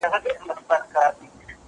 زه بايد سبا ته فکر وکړم،